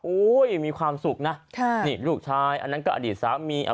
โอ๊ยมีความสุขนะลูกชายอันนั้นก็อดีตสามีอะ